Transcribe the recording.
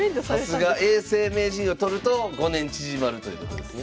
さすが永世名人を取ると５年縮まるということですね。